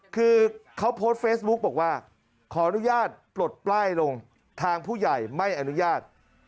คือเขาโพสต์เฟซบุ๊กบอกว่าขออนุญาตปลดป้ายลงทางผู้ใหญ่ไม่อนุญาต